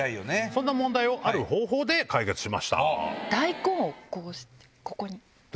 そんな問題をある方法で解決しました。